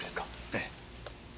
ええ。